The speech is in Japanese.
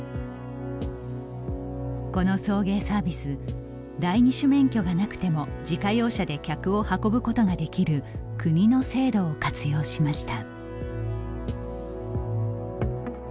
この送迎サービス第二種免許がなくても自家用車で客を運ぶことができる国の制度を活用しました。